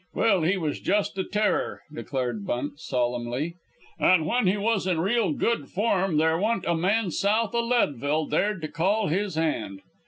Well, he was just a terror," declared Bunt, solemnly, "and when he was in real good form there wa'n't a man south o' Leadville dared to call his hand.